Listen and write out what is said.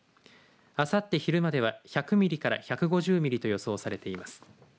あさって昼までは１００ミリから１５０ミリと予想されています。